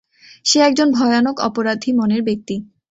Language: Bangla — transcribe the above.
সে একজন ভয়ানক অপরাধী মনের ব্যক্তি।